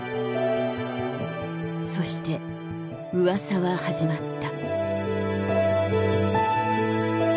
そしてうわさは始まった。